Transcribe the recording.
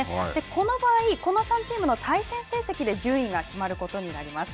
この場合、この３チームの対戦成績で順位が決まることになります。